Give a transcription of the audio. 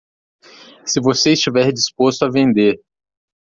Se você estiver disposto a vender